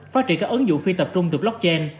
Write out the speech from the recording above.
phát triển các ứng dụng phi tập trung từ blockchain